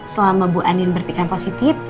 selama bu andin berpikiran positif